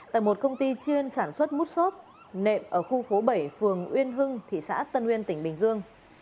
tại một công ty chuyên sản xuất mút xốp nệm ở khu phố bảy phường uyên hưng thị xã tân uyên tỉnh bình dương